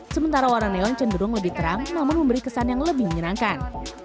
sementara warna neon cenderung lebih terang namun memberi kesan yang lebih menyenangkan